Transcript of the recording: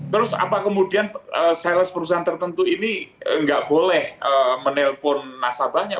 terus apa kemudian sales perusahaan tertentu ini nggak boleh menelpon nasabahnya